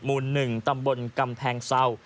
หมู่๑กำแพงเซา